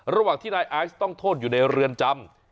ระหว่างที่นายไอซ์ต้องโทษอยู่ในเรือนจำ